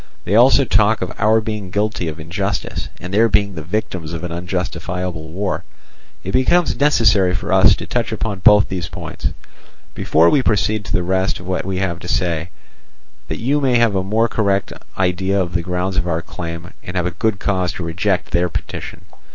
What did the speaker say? They also talk of our being guilty of injustice, and their being the victims of an unjustifiable war. It becomes necessary for us to touch upon both these points before we proceed to the rest of what we have to say, that you may have a more correct idea of the grounds of our claim, and have good cause to reject their petition.